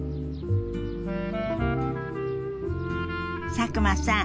佐久間さん